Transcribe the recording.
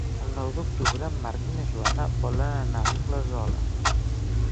El nou d'octubre en Marc i na Joana volen anar a Anglesola.